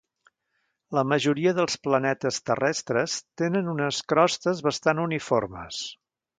La majoria dels planetes terrestres tenen unes crostes bastant uniformes.